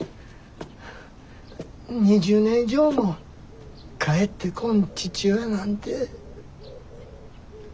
２０年以上も帰ってこん父親なんて。